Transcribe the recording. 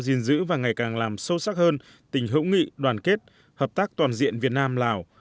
gìn giữ và ngày càng làm sâu sắc hơn tình hữu nghị đoàn kết hợp tác toàn diện việt nam lào